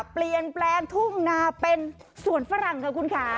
เปลี่ยนแปลงทุ่งนาเป็นสวนฝรั่งค่ะคุณค่ะ